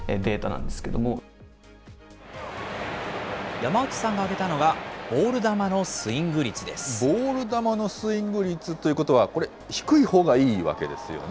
山内さんが挙げたのは、ボール球のスイング率ということは、これ、低いほうがいいわけですよね。